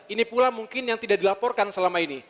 ini pula mungkin yang tidak dilaporkan selama ini